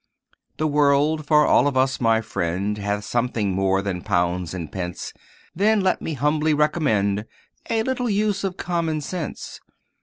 This world, for all of us, my friend Hath something more than pounds and pence; Then let me humbly recommend, A little use of common sense.